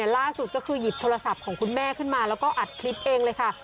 ล่าสุดก็คือหยิบโทรศัพท์ของคุณแม่ขึ้นมาแล้วก็อัดคลิปเองเลยค่ะ